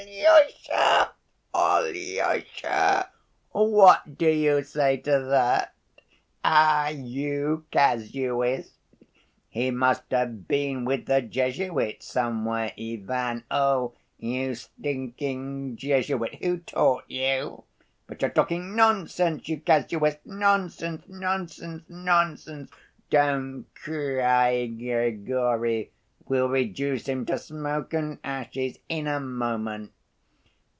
"Alyosha! Alyosha! What do you say to that! Ah, you casuist! He must have been with the Jesuits, somewhere, Ivan. Oh, you stinking Jesuit, who taught you? But you're talking nonsense, you casuist, nonsense, nonsense, nonsense. Don't cry, Grigory, we'll reduce him to smoke and ashes in a moment.